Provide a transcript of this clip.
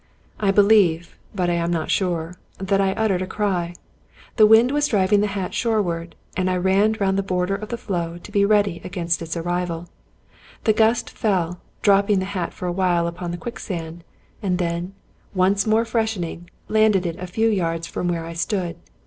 I believe, but I am not sure, that I uttered a cry. The wind was driving the hat shoreward, and I ran round the border of the floe to be ready against its arrival. The gust fell, dropping the hat for awhile upon the quicksand, and then, once more freshening, landed it a few yards from where I stood.